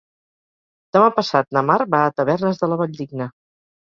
Demà passat na Mar va a Tavernes de la Valldigna.